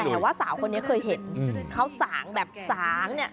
แต่ว่าสาวคนนี้เคยเห็นเขาสางแบบสางเนี่ย